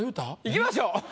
いきましょう。